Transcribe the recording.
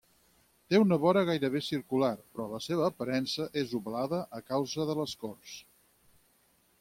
Té una vora gairebé circular, però la seva aparença és ovalada a causa de l'escorç.